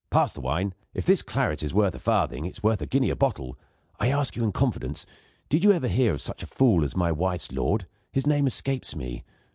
Pass the wine. If this claret is worth a farthing, it's worth a guinea a bottle. I ask you in confidence; did you ever hear of such a fool as my wife's lord? His name escapes me.